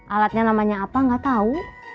alatnya namanya apa gak tau